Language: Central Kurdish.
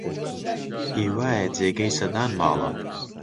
هی وایە جێگەی سەدان ماڵە